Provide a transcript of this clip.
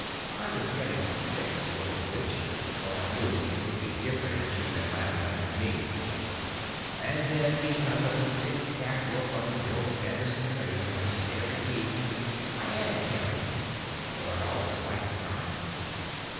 I was getting sick of the little witch, though I knew it would be different if she'd been laughing up at me. And then, because of the sick calf look on Bill Sanderson's face as he stared at Eve, I added him, though I'd always liked the guy.